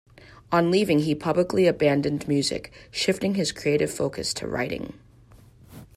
On leaving he publicly abandoned music, shifting his creative focus to writing.